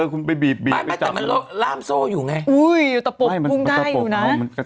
ล้ำโซ่อยู่ไงอุ้ยตะปบมุ่งได้อยู่นะ